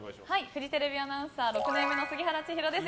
フジテレビアナウンサー６年目の杉原千尋です。